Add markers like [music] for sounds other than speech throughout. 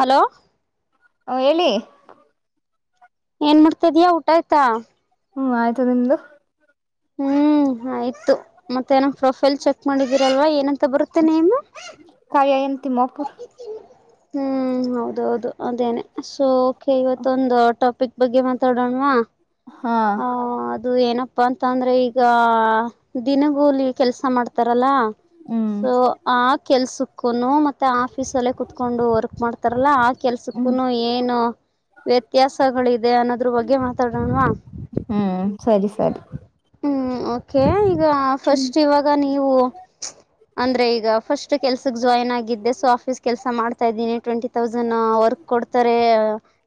Hello ಹ ಹೇಳಿ ಏನ್ ಮಾಡ್ತ ಇದ್ಯಾ ಊಟ ಆಯ್ತಾ ಹ್ಮ್ ಆಯ್ತು ನಿಮ್ದು ಹ್ಮ್ ಆಯ್ತು ಮತ್ತೆ ಏನ್ ಪ್ರೊಫೈಲ್ ಚೆಕ್ ಮಾಡಿದೀರಲ್ವಾ ಏನಂತ ಬರುತ್ತೆ ನೇಮ್ ತಿಮಪುರ್ ಹ್ಮ್ ಹೌದೌದು ಅದೇನೆ ಸೊ ಇವತ್ತ ಒಂದು ಟಾಪಿಕ್ ಬಗ್ಗೆ ಮಾತಾಡೋಣವಾ ಹಾ ಅದು ಏನಪ್ಪ ಅಂತ ಅಂದ್ರೆ ಈಗ ದಿನಗೂಲಿ ಕೆಲ್ಸ ಮಾಡ್ತಾರಲ್ಲ ಹ್ಮ್ ಸೊ ಆ ಕೆಲ್ಸಕ್ ಕೆಲಸಕ್ಕ ಮತ್ತೆ ಆಫೀಸಲ್ಲೇ ಕುೂತ್ಕೊಂಡು ವರ್ಕ್ ಮಾಡ್ತಾರಲ್ಲ ಆ ಕೆಲ್ಸಕ್ಕೂ ಹ್ಮ್ ಏನು ವ್ಯತ್ಯಾಸಗಳಿದೆ ಅನ್ನೋದ್ರ ಬಗ್ಗೆ ಮಾತಾಡೋಣವಾ ಹ್ಮ್ ಸರಿ ಸರಿ ಹ್ಮ್ ಓಕೆ ಈಗ ಫಸ್ಟ್ ಹ್ಮ್ ಇವಾಗ ನೀವು ಅಂದ್ರೆ ಈಗ ಫಸ್ಟ್ ಕೆಲ್ಸಕ್ ಜಾಯ್ನ್ ಆಗಿದ್ದೆ ಸೊ ಆಫೀಸ್ ಕೆಲ್ಸ ಮಾಡ್ತಾ ಇದ್ದೀನಿ ಟ್ವೆಂಟಿ ತೌಸಂಡ್ ವರ್ಕ್ ಕೊಡ್ತಾರೆ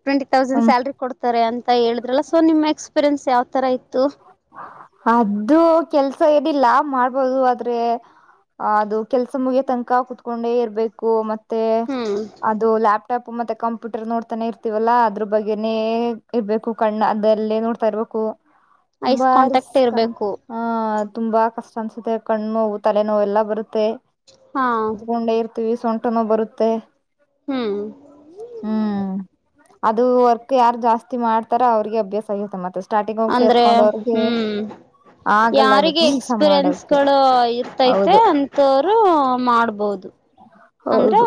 ಟ್ವೆಂಟಿ ತೌಸಂಡ್ ಸ್ಯಾಲರಿ ಕೊಡ್ತಾರೆ ಅಂತ ಹೇಳಿದ್ರಲ್ಲ ಸೊ ನಿಮ್ಮ್ ಎಕ್ಸ್ ಪೀರೆನ್ಸ್ ಯಾವ್ತರ ಇತ್ತು ಅದು ಕೆಲ್ಸ ಏನಿಲ್ಲ ಮಾಡ್ಬೋದು ಆದ್ರೆ ಅದು ಕೆಲ್ಸ ಮುಗಿಯ ತನಕ ಕುೂತ್ಕೊಂಡೇ ಇರ್ಬೇಕು ಮತ್ತೆ ಹ್ಮ್ ಅದು ಲ್ಯಾಪ್ಟಾಪ್ ಹೂ ಮತ್ತೆ ಕಂಪ್ಯೂಟರ್ ನೋಡ್ತಾನೆ ಇರ್ತೀವಲ್ಲಾ ಅದ್ರ ಬಗ್ಗೆನೇ ಇರ್ಬೇಕು ಕಣ್ಣ ಅದಲ್ಲೇ ನೋಡ್ತಾ ಇರ್ಬೇಕು ಐಸ್ ತುಂಬಾ ಕಾಂಟ್ಯಾಕ್ಟ್ ಇರ್ಬೇಕು ಹ ತುಂಬಾ ಕಷ್ಟ ಅನ್ಸುತ್ತೆ ಕಣ್ಣು ನೋವು ತಲೆ ನೋವು ಎಲ್ಲಾ ಬರುತ್ತೆ ಹಾ ಕುತ್ಕೊಂಡೆ ಇರ್ತೀವಿ ಸೊಂಟ ನೋವು ಬರುತ್ತೆ ಹ್ಮ್ ಹ್ಮ್ [inaudible] ಅದು ವರ್ಕ್ ಯಾರು ಜಾಸ್ತಿ ಮಾಡ್ತಾರ ಅವ್ರಿಗೆ ಅಭ್ಯಾಸ ಆಗುತ್ತೆ ಮತ್ತೆ ಸ್ಟಾರ್ಟಿಂಗ್ ಹೋಗಿ ಅಂದ್ರೆ ಸೇರ್ಕೊಂಡೋರಿಗೆ ಹ್ಮ್ ಯಾರಿಗೆ ಮಾಡೋಕೆ ಎಕ್ಸ್ಪೀರಿಯನ್ಸ್ಗಳು ಇತ್ತೈತೆ ಹೌದು ಅಂತವ್ರು ಮಾಡ್ಬೋದು ಅಂದ್ರ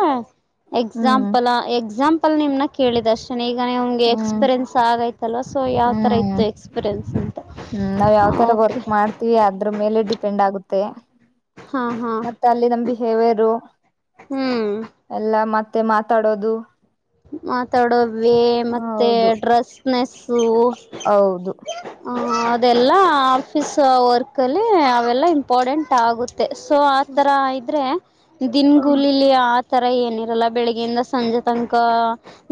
ಹ್ಮ್ ಎಕ್ಸಾಂಪಲ್ ಎಕ್ಸಾಂಪಲ್ ನಿಮ್ನ ಕೇಳಿದಶನಗ ಈ ಅವ್ಗೆ ಹ್ಮ್ ಎಕ್ಸ್ಪೀರಿಯನ್ಸ್ ಆಗೈತಲ್ವಾ ಸೊ ಯಾವ್ ತರ ಹ್ಮ್ ಇತ್ತು ಎಕ್ಸ್ಪೀರಿಯನ್ಸ್ ಅ ಹ್ಮ್ ನಾವ್ ಯಾವ್ ತರ ವರ್ಕ್ ಮಾಡ್ತೀವಿ ಅದ್ರ ಮೇಲೆ ಡಿಪೆಂಡ್ ಆಗುತ್ತೆ ಹಾ ಹಾ ಮತ್ತೆ ಅಲ್ಲಿ ನಮ ಬಿಹೇವಿಯರು ಹ್ಮ್ ಎಲ್ಲ ಮತ್ತ ಮತ್ತೆ ಮಾತಾಡೋದು ಮಾತಾಡೋ ಮತ್ತೆ ಹೌದು ಡ್ರಸ್ನೆಸ್ಸು ಅದು ಅದೆಲ್ಲ ಆಫೀಸ್ ವರ್ಕ್ ಅಲ್ಲಿ ಅವೆಲ್ಲ ಇಂಪಾರಡೆಂಟ್ ಆಗುತ್ತೆ ಮ ಸೊ ಆ ತರ ಇದ್ರೆ ಹ್ಮ್ ದನ್ಗೂಲ್ ಇಲ್ಲಿ ಆ ತರ ಏನಿರಲ್ಲ ಬೆಳಿಗ್ಯಿಂದ ಸಂಜೆ ತನಕ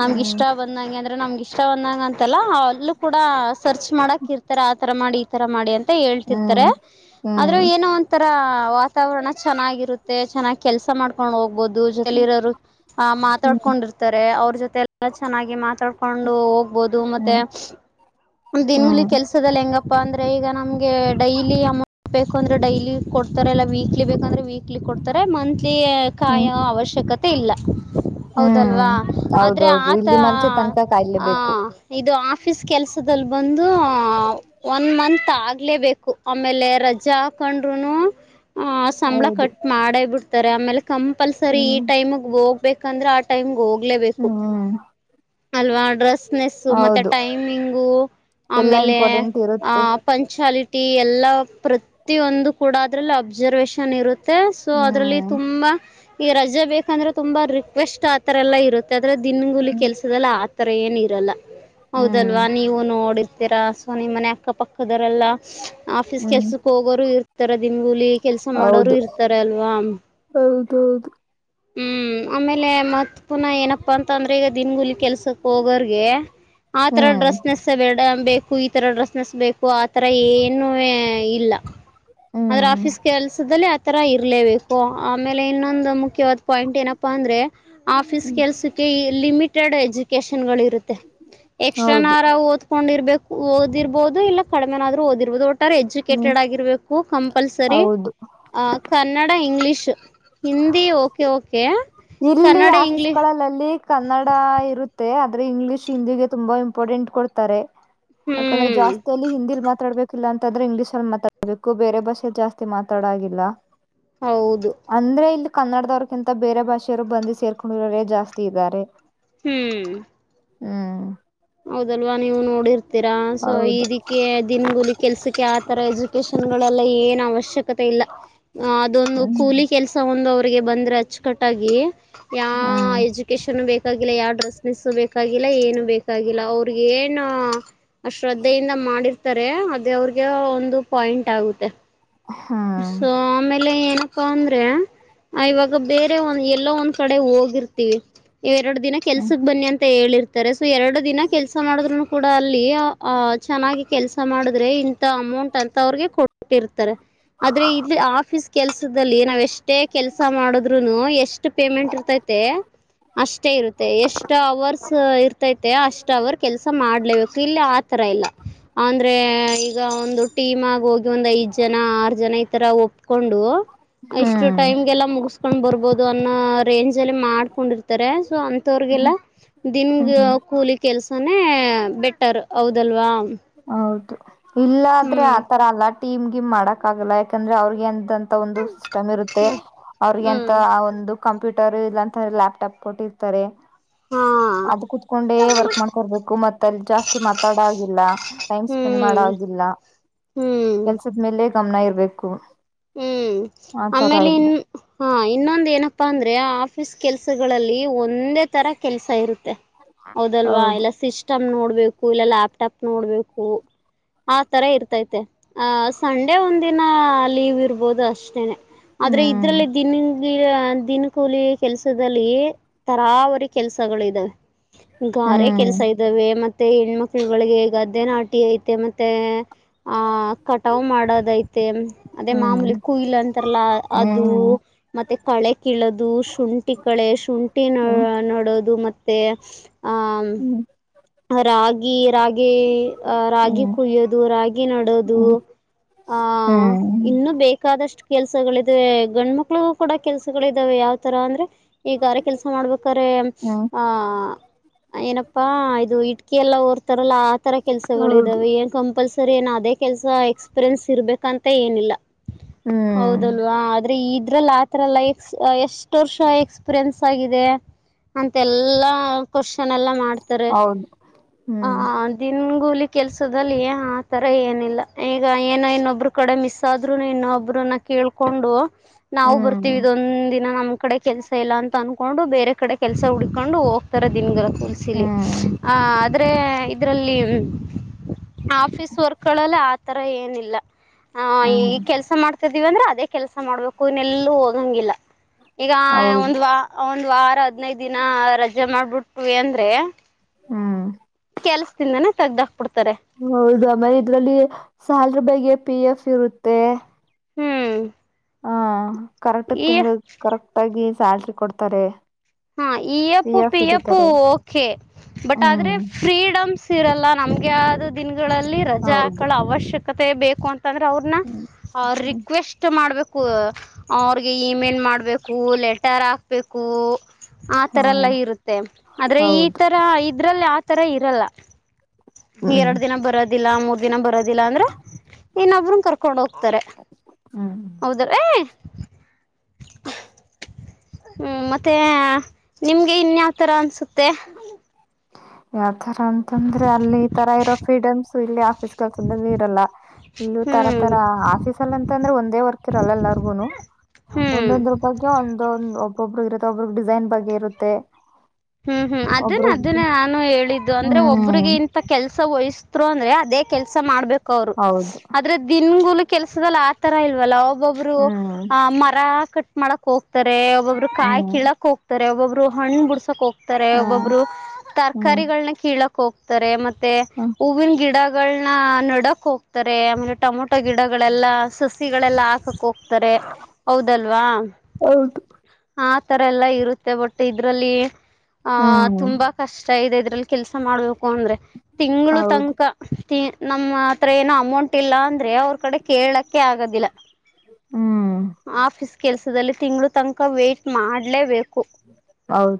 ನಮ್ಗೆ ಇಷ್ಟ ಬಂದಂಗೆ ಅಂದ್ರೆ ನಮ್ಗೆ ಇಷ್ಟ ಒಂದಂಗ ಅಂತಲ್ಲ ಅಲ್ಲೂ ಕೂಡ ಸರ್ಚ್ ಮಾಡಕ ಇರ್ತಾರೆ ಆತರ ಮಾಡಿ ಈತರ ಮಾಡಿ ಅಂತ ಹೇಳ್ತಿರ್ತಾರೆ ಹ್ಮ್ ಆದ್ರ ಹ್ಮ್ ಏನೋ ಒಂಥರ ವಾತಾವರಣ ಚೆನ್ನಾಗಿರುತ್ತೆ ಮತ್ತೆ ಚೆನ್ನಾಗಿ ಕೆಲಸ ಮಾಡ್ಕೊಂಡ್ ಹ್ಮ್ ಹೋಗ್ಬಹುದುರೋರು ಆ ಮಾತಾಡ್ಕೊಂಡಿರ್ತ ತ ಅವ್ರ ಜೊತೆ ಎಲ್ಲ ಚೆನ್ನಾಗಿ ಮಾತಾಡ್ಕೊಂಡು ಹೋಗ್ಬೋದು ಮತ್ತೆ ಹ್ಮ್ ದಿನಲಿ ಹ್ಮ್ ಕೆಲ್ಸದಲ್ಲಿ ಹೆಂಗಪ್ಪಾ ಅಂದ್ರೆ ಈಗ ನಮ್ಗೆ ಡೈಲಿ ಅಮೌಂಟ್ ಬೇಕು ಅಂದ್ರೆ ಡೈಲಿ ಕೊಡ್ತಾರೆ ಎಲ್ಲ ವೀಕ್ಲಿ ಬೇಕಂದ್ರೆ ವೀಕ್ಲಿ ಕೊಡ್ತಾರೆ ಮಂತ್ಲಿ ಕಾಯ ಹ್ಮ್ ಅವಶ್ಯಕತೆ ಇಲ್ಲ ಹೌದಲ್ವಾ ಹ್ಮ್ ಆದ್ರೆ ಹೌದೌದು ಆತ ಇಲ್ಲಿ ಮನ್ಸೆ ತನಕ ಆ ಕಾಯ್ಲೇಬೇಕು ಇದು ಆಫೀಸ್ ಕೆಲ್ಸ ಬಂದು ಒನ್ ಮಂತ್ ಆಗ್ಲೇಬೇಕು ಆಮೇಲೆ ರಜೆ ಹಾಕೊಂಡು ಸಂಬಳ ಹೌದು ಕಟ್ ಮಾಡ ಬಿಡ್ತಾರೆ ಆಮೇಲೆ ಕಂಪಲ್ಸರಿ ಹ್ಮ್ ಈ ಟೈಮ್ ಹೋಗ್ಬೇಕಂದ್ರೆ ಆ ಟೈಮ್ಗೆ ಹೋಗ ಹೋಗಲೇಬೇಕು ಹ್ಮ್ ಅವಾ ಡೆಸ್ ಮೆಸ್ ಹೌದು ಟೈಮಿಂಗ್ ಎಲ್ಲಾ ಆಮೇಲೆ ಇಂಪಾರ್ಟೆಂಟ್ ಇರುತ್ತೆ ಪಂಚ ಕ್ವಾಲಿಟಿ ಎಲ್ಲ ಪ್ರತಿಯೊಂದು ಕೂಡ ಅದ್ರಲ್ಲಿ ಅಬ್ಸರ್ವೇಷನ್ ಇರುತ್ತೆ ಸೊ ಅದ್ರಲ್ಲಿ ಹ್ಮ್ ತುಂಬಾ ಈ ರಜೆ ಬೇಕಂದ್ರೆ ತುಂಬಾ ರಿಕ್ವೆಸ್ಟ್ ಆತರ ಎಲ್ಲಾ ಇರುತ್ತೆ ಯಾಕಂದ್ರೆ ದಿನಂಗುಲಿ ಕೆಲ್ಸಲ್ಲ ಆತರ ಏನ್ ಇರಲ್ಲ ಹ್ಮ್ ಹೌದಲ್ವಾ ನೋಡತೀರಾ ಸೊ ನಿಮ್ಮ ಮನೆ ಅಕ್ಕ ಪಕ್ಕದರೆಲ್ಲಾ ಆಫೀಸ್ ಹ್ಮ್ ಕೆಲ್ಸಕ್ ಹೋಗೋರು ಇರ್ತಾರ ದನ್ಗೂಲಿ ಕೆಲ್ಸ ಮಾಡೋರು ಹೌದು ಇರ್ತಾರ ಅಲ್ವಾ ಹೌದೌದು ಹ್ಮ್ ಆಮೇಲೆ ಮತ್ ಪುನಃ ಏನಪ್ಪಾ ಅಂತ ಅಂದ್ರೆ ಈಗ ದನ್ಗುಲಿ ಕೆಲ್ಸಕ್ ಹೋಗೋರ್ಗೆ ಆತರ ಹ್ಮ್ ಡ್ರೆಸ್ ವೆಡ ಬೇಕು ಈತರ ಡ್ರೆಸ್ನೆಸ್ ಬೇಕು ಆತರ ಏನು ಇಲ್ಲ ಆದ್ರ ಹ್ಮ್ ಆಫೀಸ್ ಕೆಲ್ಸದಲ್ಲಿ ಆತರ ಇರಲೇಬೇಕು ಆಮೇಲೆ ಇನ್ನೊಂದು ಮುಖ್ಯವಾದ್ ಪಾಯಿಂಟ್ ಏನಪ್ಪಾ ಅಂದ್ರೆ ಆಫೀಸ್ ಹ್ಮ್ ಕೆಲಸಕ್ಕೆ ಲಿಮಿಟೆಡ್ ಎಜುಕೇಶನ್ ಗಳು ಇರುತ್ತೆ ಹೌದು ಎಕ್ಸ್ಟ್ರನಾಲ್ ಕೊಂಡಿರ್ಬೇಕು ಓದಿರ್ಬೋದು ಇಲ್ಲ ಕಡಿಮೆನಾದ್ರು ಓದಿರ್ಬಹುದು ಒಟ್ಟ ಹ್ಮ್ ಎಜುಕೇಟೆಡ್ ಆಗಿರ್ಬೇಕು ಕಂಪಲ್ಸರಿ ಹೌದು ಆ Kannada English Hindi okay okay ಇಲ್ಲಿ ಕನ್ನಡ ಆಫೀಸ್ ಇಂಗ್ಲಿಷ್ ಲ್ಲಲ್ಲಿ ಇಲ್ಲಿ ಕನ್ನಡ ಇರುತ್ತೆ ಆದ್ರೆ ಇಂಗ್ಲಿಷ್ ಹಿಂದಿಗೆ ತುಂಬಾ ಇಂಪಾರ್ಟೆಂಟ್ ಕೊಡ್ತಾರೆ ಯಾಕಂದ್ರೆ ಹ್ಮ್ ಜಾಸ್ತಿ ಅಲ್ಲಿ ಹಿಂದಿಲ್ ಮಾತಾಡ್ಬೇಕು ಇಲ್ಲಾಂತಂದ್ರೆ ಇಂಗ್ಲಿಷ್ ಅಲ್ಲಿ ಮಾತಾಡ್ಬೇಕು ಬೇರೆ ಭಾಷೆ ಜಾಸ್ತಿ ಮಾತಾಡಾಗಿಲ್ಲ ಹೌದು ಕನ್ನಡದವ್ರಗಿಂತ ಬೇರೆ ಭಾಷೆಯವರು ಬಂದು ಸೇರ್ಕೊಂಡಿರೇ ಜಾಸ್ತಿ ಇದ್ದಾರೆ ಹ್ಮ್ ಹ್ಮ್ ಹೌದಲ್ವಾ ನೀವು ನೋಡಿರ್ತ ರ ಸೊ ಹೌದು ಇದಕ್ಕೆ ದಿನಗೂಲಿ ಕೆಲ್ಸಕ್ಕೆ ಆತರ ಎಜುಕೇಶನ್ ಗಳಲ್ಲಾ ಏನ್ ಅವಶ್ಯಕತೆ ಇ ಅ ಹ್ಮ್ ಕೂಲಿ ಕೆಲಸ ಬಂದ್ರೆ ಅಚ್ಚುಕಟ್ಟಾಗಿ ಯಾ ಹ್ಮ್ ಎಜುಕಷನ್ ಬೇಕ ಬಾಗಿಲ್ಲ ಯಾವ ಡ್ರೆಸ್ನಿಸ್ು ಬೇಕಾಗಿಲ್ಲ ಏನು ಬೇಕು ಗೊಲ್ಲ ಅವ್ರಿಗೆ ಏನ್ ಶ್ರದ್ಧೆಯಿಂದ ಮಾಡಿರ್ತಾರೆ ಅದೇ ಅವ್ರಿಗೆ ಒಂದು ಪಾಯ ಹ್ಮ್ ಂ ಆಮೇ ಪ್ಪ ಅಂದ್ರೆ ಇವಾಗ ಬೇರೆ ಒಂದ್ ಎಲ್ಲೋ ಒಂದ್ ಕಡೆ ಹೋಗಿರ್ತೀವಿ ಎರಡು ದಿನ ಕೆಲ್ಸಕ್ಕೆ ಬನ್ನಿ ಅಂತ ಹೇಳಿರ್ತಾರೆ ಸೊ ಎರಡು ದಿನ ಕೆಲ್ಸ ಮಾಡಿದ್ೂ ಕೂಡ ಅಲ್ಲಿ ಅಹ್ ಚೆನ್ನಾಗಿ ಕೆಲ್ಸ ಮಾಡಿದ್ರೆ ಇಂಥ ಅಮೌಂಟ್ ಅಂತ ಅವ್ರಿಗೆ ಕೊಟ್ಟಿರ್ತಾರೆ ಆದ್ರೆ ಇಲ್ಲಿ ಆಫೀಸ್ ಕೆಲ್ಸದಲ್ಲಿ ನಾವ್ ಎಷ್ಟೇ ಕೆಲ್ಸ ಮಾಡದ್ರುನು ಎಷ್ಟು ಪೇಮೆಂಟ್ ಇರ್ತ ಅಷ್ಟೇ ಇರುತ್ತೆ ಎಷ್ಟ್ ಅವರ್ಸ್ ಇರ್ತೈ ಅಷ್ಟ ಅವರು ಕೆಲ್ಸ ಮಾಡ್ಲೇಬೇಕು ಇಲ್ಲ ಆತರ ಇಲ್ಲ ಅಂದ್ರೆ ಈಗ ಒಂದು ಟೀಮ ಆಗ ಹೋಗಿ ಒಂದ್ ಐದ್ ಜನ ಆರು ಜನ ಈ ತರ ಒಪ್ಕೊಂಡು ಎಷ್ಟು ಹ್ಮ್ ಟೈಮ್ಗೆಲ್ಲ ಮುಗಸ್ಕೊಂಡ್ ಬರ್ಬೋದು ಅನ್ನೋ ರೇಂಜ್ ಅಲ್ಲಿ ಮಾಡ್ಕೊಂಡಿರ್ತಾರೆ ಸೊ ಅಂತವ್ರಿಗೆ ಲ್ಲ ದನ್ಗೆ ಹ್ಮ್ ಕೆಲ್ಸನೇ ಬೆಟರ್ ಹೌದಲ್ವಾ ಹೌ ಇಲ್ಲ ಆದ್ರೆ ಹ್ಞೂ ಆತರ ಅಲ್ಲಾ ಟೀಮ್ಗೆ ಮಾಡಕ್ ಆಗಲ್ಲ ಯಾಕಂದ್ರೆ ಅವ್ರಗೆ ಒಂದು ಸಿಸ್ಟಮ್ ಇರುತ್ತೆ ಹ್ಞೂ ಅವಿಗೆಂತ ಒಂದು ಕಂಪ್ಯೂ ೂಟರ್ ಇಲ್ಲ ಅಂತ ಲ್ಯಾಪ ್ಟಾಪ್ ಕೊಟ್ಟಿರ್ತಾರೆ ಹಾಂ ಅದ ಕುೂತ್ಕೊಂಡೆ ವರ್ಕ್ ಮಾಡ್ಕೊರ್ಬೇಕು ಮತ್ ಅಲ್ಲಿ ಜಾಸ್ತಿ ಮಾತಾಡ ಆಗಿಲ್ಲ ಟೈಮ್ ಹ್ಞೂ ಸ್ಪೆಂಡ್ ಮಾಡ ಆಾಗಿಲ್ಲ ಹ್ಞೂ ಕೆಲ್ಸದ ಮೇಲೆ ಗಮನ ಇರ್ಬೇಕು ಹ್ಮ್ ಆತರ ಆಮೇಲೆ ಇನ್ ಇಲ್ಲಿ ಹಾ ಇನ್ನೊಂದ ಏನಪ್ಪಾ ಅಂದ್ರೆ ಕೆಲ್ಸಗಳಲ್ಲಿ ಒಂದೇ ತರ ಕೆಲ್ಸ ಇರುತ್ತೆ ಹೌದಲ್ವಾ ಹೌದು ಇಲ್ಲ ಸಿಸ್ಟಮ್ ನೋಡ್ ು ಇಲ್ಲ ಲ್ಯಾಪ್ಟಾಪ್ ನೋಡ್ಬೇಕು ಆ ತರ ಇರ್ತೈತೆ ಅಹ ಸಂಡೆ ಒಂದಿನ ಲೀವ್ ಇರ್ಬಹುದು ಅಷ್ಟೇನೆ ಆದ್ರೆ ಹ್ಮ್ ಇದ್ರಲ್ಲಿ ದಿನ ದಿನ ಕೂಲಿ ಕೆಲ್ಸದಲ್ಲಿ ತರಾವರಿ ಕೆಲ್ಸಗಳು ಇದಾವೆ ಗಾರೆ ಹ್ಮ್ ಕೆಲ್ಸ ಇದ್ದಾವೆ ಮತ್ತೆ ಮತ್ತೆ ಹೆಣ್ಮಕ್ಳುಗಳಿಗೆ ಗದ್ದೆ ನಾಟಿ ಐತೆ ಮತ್ತೆ ಆಹ ಕಟಾವ್ ಮಾಡೋದಐತೆ ಅದೇ ಮಾಮೂಲಿ ಹ್ಮ್ ಕುಯಿಲ್ ಅಂತಾರಲ್ಲ ಅದು ಹ್ಮ್ ಮತ್ತೆ ಕಳೆ ಕಿಳದು ಶುಂಠಿ ಕಳೆ ಶುಂಠಿ ನ ಹ್ಮ್ ನೋಡೋದು ಮತ್ತೆ ಅ ಹ್ಮ್ ರಾಗಿ ರಾಗಿ ಅ ರಾಗಿ ಹ್ಮ್ ಕುಯ್ಯೋದು ರಾಗಿ ನಡೋದು ಹ್ಮ್ ಹ ಹ್ಮ್ ಇನ್ನುೂ ಬೇಕಾದ ಷ್ಟು ಕೆಲ್ಸಗಳಿದೆ ಗಂಡ ಮಕ್ಳಿಗ ಕೂಡ ಕೆಲ್ಸಗಳ ಇದಾವೆ ಯಾವ್ ತರ ಅಂದ್ರೆ ಈಗಾರೆ ಕೆಲ್ಸ ಮಾಡ್ಬೇಕ್ರೆ ಹ್ಮ್ ಆಹ ಏನಪ್ಪಾ ಇಕೆ ಎಲ್ಲ ರ್ತ ಆ ತರ ಕೆಲಸಗಳು ಹೌದು ಇದಾವೆ ಏನ್ ಕಂಪಲ್ಸರಿ ಏನ್ ಅದೇ ಕೆಲಸ ಎಕ್ಸ್ಪೀರಿಯನ್ಸ್ ಇರ್ಬೇಕಂತ ಮತ್ತ ಏನಿಲ್ಲ ಹ್ಮ್ ಹೌದಲ್ವಾ ಆದ್ರೆ ಇದ್ರಲ್ಲ ಆತರಲ್ಲ ಎ ಎಷ್ಟ ೋರ್ ಶಾ ಎಕ್ಸ್ಪೀರಿಯನ್ಸ್ ಆಗಿದೆ ಅಂತೆ ಎಲ್ಲಾ ಕ್ವಶನ್ ಎಲ್ಲ ಮಾಡ್ತಾರೆ ಹೌದು ಹಾ ಹ್ಮ್ ದ ಂಗೂಲಿ ಕೆಲ್ಸದಲ್ಲಿ ಏ ಆತರ ಏನಿಲ್ಲ ಈಗ ಏನೋ ಇನ್ನೊಬ್ರು ಕಡೆ ಮಿಸ್ ಆದ್ರು ಇನ್ನೊ ಒಬ್ರನ್ನ ಕೇಳ್ಕೊಂಡು ನಾವು ಹ್ಮ್ ಬರ್ತೀವಿ ಇದೊಂದ ದಿನ ನಮ್ ಕಡೆ ಕೆಲ್ಸ ಇಲ್ಲ ಅಂತ ಅನ್ಕೊಂಡು ಬೇರೆ ಕಡೆ ಕೆಲ್ಸ ಹುಡ್ಕೊಂಡು ಹೋಗ್ತಾರ ದಿನಗರ ಕೂಲ್ಸಿಲಿ ಹ್ಮ್ ಆ ಆದ್ರೆ ಇದ್ರಲ್ಲಿ ಆಫೀಸ್ ವರ್ಕ್ಲ್ಲ ತರ ಏನಿಲ್ಲ ಹ್ಮ್ ಈಗ ಕೆಲ್ಸ ಮಾಡ್ತಾಿದಿವವಿಂದ್ರೆ ಅದ ಅೇ ಕೆಲಸ ಮಾಡ್ಬೇಕು ಇನ್ನ ಎಲ್ಲೂ ಹೋಗಂಗಿಲ್ಲ ಈಗ ಹೌದು ಒಂದ್ ವ ಒಂದ್ ವಾರ ಹದ್ನೈದ ದಿನ ರಜೆ ಮಾಡ್ಬಿಟ್ವಿ ಅಂದ್ರೆ ಹ್ಮ್ ಕೆಲ್ಸದಿಂದಾನೇ ತೆಗ್ದಾಕ್ಬಿಡ್ತಾರೆ ಹೌದು ಆಮೇಲೆ ಇದ್ರಲ್ಲಿ ಸಾಲ ರ ಬಾಯಗೆ ಪಿ ಎಫ್ ಇರುತ್ತೆ ಹ್ಮ್ ಹ ಕರೆಕ್ಟ್ ಈ ತಿಂಗಳ ಕರೆಕ್ಟ್ ಆಗಿ ಸ್ಯಾಲ್ರಿ ಕೊಡ್ತಾರೆ ಹಾ ಪಿ ಈಯಪ್ಪು ಎಫ್ ಪಿಯಪ್ಪು ಹಿಡಿತಾರೆ ಓಕೆ ಬಟ್ ಆದ್ರೆ ಹ್ಮ್ ಫ್ರೀಡಮ್ಸ್ ಇರಲ್ಲ ನಮ್ಗೆ ಆದ್ ದಿನಗಳಲ್ಲಿ ರಜಾ ಹೌದು ಹಾಕಳ ಅವಶ್ಯಕತೆ ಬೇಕು ಅಂತ ಂದ್ರೆ ಅವ್ರನ್ನ ಹ್ಮ್ ರಿಕ್ವೆಸ್ಟ್ ಮಾಡ್ಬೇಕು ಅವ್ರಿಗೆ ಇಮೇಲ್ ಮಾಡಬೇಕು ಲೆಟರ್ ಹಾಕ್ಬೇಕು ಆ ಹಾ ತರ ಎಲ್ಲ ಇರುತ್ತೆ ಆದ್ರೆ ಈ ಹೌದು ತರ ಇದ್ರಲ್ಲಿ ಆ ತರ ಇರಲ್ಲ ಹ್ಮ್ ಎರಡು ದಿನ ಬರೋದಿಲ್ಲ ಮೂರ್ ದಿನ ಬರೋದಿಲ್ಲ ಿಲ್ಲ ಅಂದ್ರೆ ಇನ್ನೊಬ್ರ ಕರ್ಕೊಂಡ್ ಹೋಗ್ತಾರೆ ಹ್ಮ್ ಹೌದ್ರ ಹ್ಮ ಮತ್ತೆ ನಿಮ್ಗೆ ಇನ್ಯಾವ್ತರ ಅನ್ಸುತ್ತೆ ಯಾವ್ತರ ಅಂತಂದ್ರೆ ಅಲ್ಲಿ ಈ ತರ ಇರೋ ಫ್ರೀಡಮ್ಸ್ ಇಲ್ಲಿ ಆಫೀಸ್ ಕೆಲ್ಸದಲ್ಲಿ ಇರಲ್ಲ ಇಲ್ಲ ತರ ಹ್ಮ್ ತರ ಆಫೀಸ್ ಅಲ್ಲಿ ಅಂತ ಅಂದ್ರೆ ಒಂದೇ ವರ್ಕ್ ಇರಲ್ಲ ಎಲ್ಲಾರ್ಗುನು ಹ್ಮ್ ಒಂದೊಂದ್ ರೂಪಕ ಒಂದೊಂದ್ ಒಬ್ಬೊಬ್ರಗ ಇರುತ್ತೆ ಒಬ್ರಗ್ ಡಿಸೈನ್ ಬಗ್ಗೆ ಇರುತ್ತೆ ಹ್ಮ್ ಹ್ಮ್ ಅದನ್ನ ಒಬ್ರಗ್ ಅದನ್ನೇ ನಾನು ಹೇಳಿದ್ದು ಅಂದ್ರೆ ಒಬ್ರಿಗೆ ಹ್ಮ್ ಇಂತ ಕೆಲ್ಸ ವಯಿಸರು ಅಂದ್ರೆ ಅದೇ ಕೆಲ್ಸ ಮಾಡ್ಬೇಕು ಅವರು ಹೌದು ಆದ್ರೆ ದಿನಗೂಲ್ ಕೆಲ್ಸದಲ್ಲಿ ಆತರ ಇಲ್ವಲ್ಲ ಒಬ್ಬೊಬ್ರು ಹ್ಮ್ ಆ ಮರ ಕಟ್ ಮಾಡಕ್ ಹೋಗ್ತಾರೆ ಒಬ್ಬೊಬ್ರು ಕಾಯಿ ಹ್ಮ್ ಕೀಳಕ್ ಹೋಗ್ತಾರೆ ಒಬ್ಬೊಬ್ರು ಹಣ್ಣು ಬಿಡ್ಸಕ್ ಹೋಗ್ತಾರೆ ಹ್ಮ್ ಒಬ್ಬೊಬ್ರು ಹ್ಮ್ ತರಕಾರಿಗಳನ್ನ ಕೀಳಕ್ ಹೋಗ್ತಾರೆ ಮ ತ್ತೇ ಹ್ಮ್ ಉವಿನಗಿಡ ಗಳನ್ನ ನಡಕ್ ಹೋಗ್ತಾರೆ ಆಮೇಲೆ ಟೊಮೊಟೊ ಗಿಡಗಳೆಲ್ಲ ಸ ಗಳೆಲ್ಲ ಹಾಕಕ್ ಹೋಗ್ತಾರೆ ಹೌದಲ್ವಾ ಹೌದು ಆ ತರ ಎಲ್ಲ ಇರುತ್ತೆ ಬಟ್ ಇದ್ರಲ್ಲಿ ಆಹ ಹ್ಮ್ ತುಂಬಾ ಕಷ್ಟ ಇದೆ ಕೆಲಸ ಮಾಡಬೇಕು ಅಂದ್ರೆ ತಿಂಗಳು ಹೌದು ತನಕ ನಮ್ಮ ಹತ್ರ ಏನ ಅಮೌಂಟ್ ಇಲ್ಲ ಅಂದ್ರೆ ಅವ್ರ ಕಡೆ ಕೇಳಕ್ಕೆ ಆಗದಿಲ್ಲ ಹ್ಮ್ ಆಫೀಸ್ ಕೆಲ್ಸದಲ್ಲಿ ತಿಂಗಳ ತನಕ ವೇ್ಟ ಮಾಡ್ಲೇಬೇಕು ಹೌದು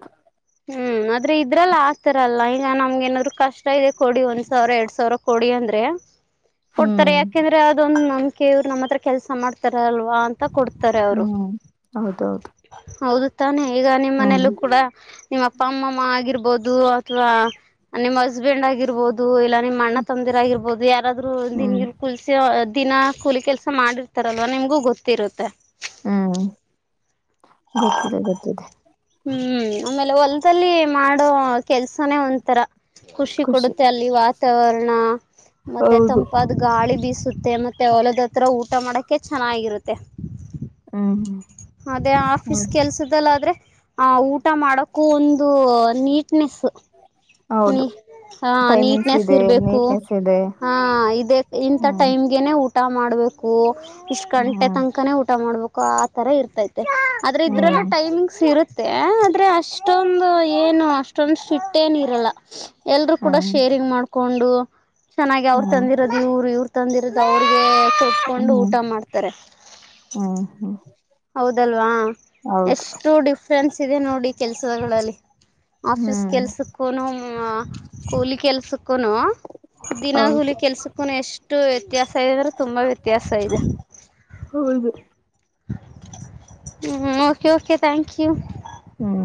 ಹ್ಮ್ ಆದ್ರೆ ಇದ್ರಲ್ಲ ಆಗ್ತರಲ್ಲಾ ಈಗ ನಮ್ಗೆ ಏನಾದ್ರು ಕಷ್ಟ ಇದೆ ಕೊಡಿ ಒಂದ್ ಸಾವಿರ ಎರಡ್ ಸಾವಿರ ಕೊಡಿ ಅಂದ್ರೆ ಕೊಡ್ತಾರೆ ಹ್ಮ್ ಯಾಕೆಂದ್ರೆ ಅದೊ್ ನಮ್ವ್ ನಮ್ಮ ಹತ್ರ ಕೆಲಸ ಮಾಡ್ತಾರೆ ಲ್ವಾ ಅಂತ ಕೊಡ್ತಾರೆ ಅವರು ಹ್ಮ್ ಹೌದೌದು ಹೌದು ತಾನೆ ಈಗ ನಿಮ್ಮ್ ಹ್ಮ್ ಮನಲ್ಲೂ ಕೂಡ ನಿಮ್ಮ ಅಪ್ಪ ಅಮ್ಮಮ್ಮ ಆಗಿರ್ಬೋದು ಅಥವಾ ನಿಮ್ ಹಸ್ಬೆಂಡ್ ಆಗಿರ್ಬೋುದು ಇಲ್ಲಾ ನಿಮ್ಮ್ ಅಣ್ಣ ತಂದಿರ್ ಆಗಿರ್ಬೋುದು ಯಾರಾದ್ರು ಹ್ಮ್ ದಿನನ್ಗಿಲ್ ಕುಲ್ಸಿ ದಿನ ಕೂಲಿ ಕೆಲ್ಸ ಮಾಡಿರ್ತಾರಲ್ವಾ ನಿಮ್ಗೂ ಗೊತ್ತಿರುತ್ತೆ ಹ್ಮ್ ಗೊತ್ತಿದೆ ಗೊತ್ತಿದೆ ಹೊಲ್ಲ್ಲಿ ಮಾಡೋ ಕೆಲ್ಸನೇ ಒಂಥರ ಖುಷಿ ಕೊಡುತ್ತೆ ಅಲ್ಲಿ ವಾತಾವರಣ ಮತ್ತೆ ಹೌದು ತಂಪಾದ ಗಾಳಿ ಬೀಸುತ್ತೆ ಮತ್ತೆ ಅವಲದ್ತ್ರ ಊಟ ಮಾಡಕೆ ಚೆನ್ನಾಗಿರುತ್ತೆ ಹ್ಮ್ ಅದೇ ಆಫೀಸ್ ಹೌದು ಕೆಲ್ಸದಲ್ಲಾದ್ರೆ ಆ ಊಟ ಮಾಡಕ್ಕೂ ಒಂದು ನೀಟ್ನೆಸ್ ನೀ ಹೌದು ಹ ಟೈಮಿಂಗ್ಸ್ ನೀಟ್ನೆಸ್ ಇದೆ ಇರ್ಬೇಕು ನೀಟ್ನೆಸ್ ಇದೆ ಹ ಇದ ಇಂಂತ ಹ್ಮ್ ಟೈಮ್ಗೆನೆ ಉ ಊಟ ಮಾಡಬೇಕು ಇಷ್ಟು ಗಂಟೆ ಹ್ಮ್ ತನಕನೇ ಊಟ ಮಾಡ್ಬೇಕು ಆ ಥರ ಇರ್ತೈತ್ತು ಆದ್ರೆ ಇದ್ರಲ್ಲೂ ಹ್ಮ್ ಟೈಮಿಂಗ್ಸ್ ಇರುತ್ತ ಮತ್ತೆ ಆದ್ರೆ ಅಷ್ಟೊಂದು ಏನು ಅಷ್ಟೊಂದು ಫಿಟ್ ಏನು ಇರಲ್ಲ ಎಲ್ರುೂ ಕೂಡ ಹ್ಮ್ ಶೇರಿಂಗ್ ಮಾಡ್ಕೊಂಡು ಚೆನ್ನಾಗಿ ಅವರು ಹ್ಮ್ ತಂದಿರೋದು ಇವ್ರು ಇವ್ರು ತಂದಿರದು ಅವ್ರಿಗೆ ತಟ್ಕೊಂಡು ಹ್ಮ್ ಊಟ ಮಾಡ್ತಾರೆ ಹ್ಮ್ ಹ್ಮ್ ಹೌದಲ್ವಾ ಹೌದು ಎಷ್ಟು ಡಿಫ್ರೆನ್ಸ್ ಇದೆ ನೋಡಿ ಕೆಲ್ಸಗಳಲ್ಲಿ ಆಫೀಸ್ ಹ್ಮ್ ಕೆಲ್ಸಕ್ಕೂನು ಕೂಲಿ ಕೆಲ್ಸಕ್ ದಿನ ಹೌದು ಹುಲಿ ಕೆಲ್ಸಕ್ಕೂ ಎಷ್ಟು ವ್ಯತ್ಯಾಸ ಸಂದ್ರೆ ತುಂಬಾ ವ್ಯತ್ಯಾಸ ಇದೆ ಹೌದು ಹ್ಮ okay okay thank you hmm.